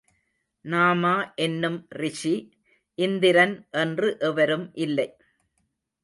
நாமா என்னும் ரிஷி, இந்திரன் என்று எவரும் இல்லை.